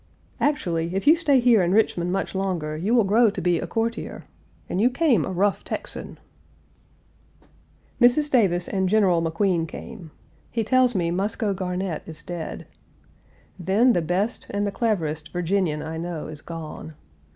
" "Actually, if you stay here in Richmond much longer you will grow to be a courtier. And you came a rough Texan." Page 290 Mrs. Davis and General McQueen came. He tells me Muscoe Garnett is dead. Then the best and the cleverest Virginian I know is gone.